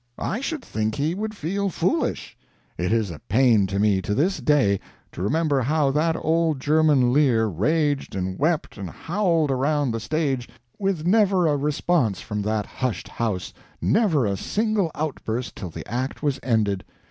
I should think he would feel foolish. It is a pain to me to this day, to remember how that old German Lear raged and wept and howled around the stage, with never a response from that hushed house, never a single outburst till the act was ended.